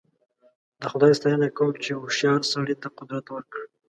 د خدای ستاینه کوم چې هوښیار سړي ته قدرت ورکړ.